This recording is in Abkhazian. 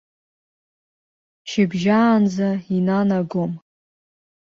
Шьыбжьаанӡа инанагом!